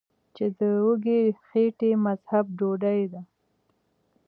چې د وږې خېټې مذهب ډوډۍ ده ـ